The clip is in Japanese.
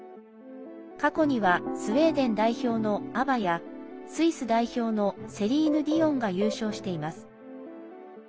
過去にはスウェーデン代表のＡＢＢＡやスイス代表のセリーヌ・ディオンが優勝しています。